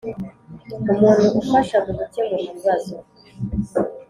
umuntu ufasha mu gukemura ibibazo